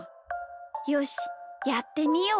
よしやってみよう。